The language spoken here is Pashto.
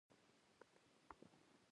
• لمر د رڼا سرچینه ده.